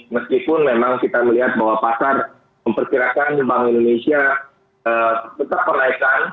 meskipun memang kita melihat bahwa pasar memperkirakan bank indonesia tetap menaikkan